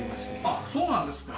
あっそうなんですか？